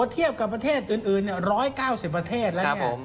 เทียบกับประเทศอื่นร้อยเวลา๙๐ประเทศแหละ